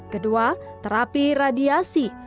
kedua terapi radiasi